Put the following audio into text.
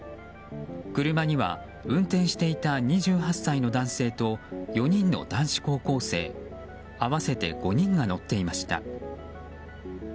車には運転していた２８歳の男性と４人の男子高校生合わせて５人が乗っていました。